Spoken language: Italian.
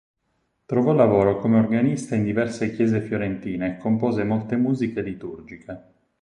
Trovò lavoro come organista in diverse chiese fiorentine e compose molte musiche liturgiche.